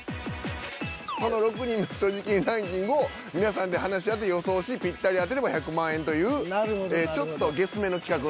その６人の所持金ランキングを皆さんで話し合って予想しぴったり当てれば１００万円というちょっとそうですね。